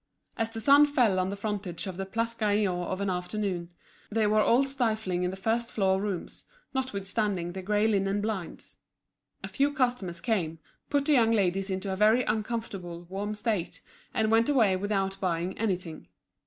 As the sun fell on the frontage of the Place Gaillon of an afternoon, they were all stifling in the first floor rooms, notwithstanding the grey linen blinds. A few customers came, put the young ladies into a very uncomfortable, warm state, and went away without buying anything.